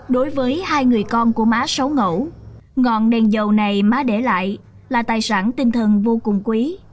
đối với hai người con của má sáu ngẫu ngọn đèn dầu này má để lại là tài sản tinh thần vô cùng quý